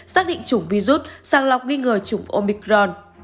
xác định chủng virus sàng lọc nghi ngờ chủng omicron